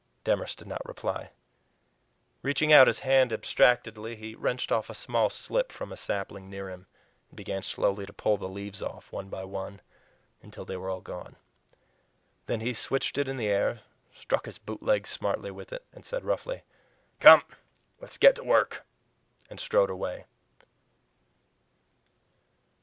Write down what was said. Demorest did not reply. Reaching out his hand abstractedly, he wrenched off a small slip from a sapling near him, and began slowly to pull the leaves off, one by one, until they were all gone. Then he switched it in the air, struck his bootleg smartly with it, said roughly: "Come, let's get to work!" and strode away.